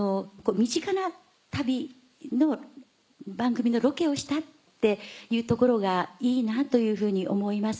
身近な旅の番組のロケをしたっていうところが「いいな」というふうに思います。